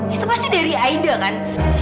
itu pasti dari aida kan